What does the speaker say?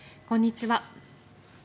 こんにちは。